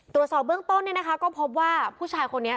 ตรวจสอบเบื้องต้นเนี่ยนะคะก็พบว่าผู้ชายคนนี้